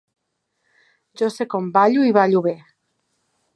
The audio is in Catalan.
Jo sé com ballo i ballo bé.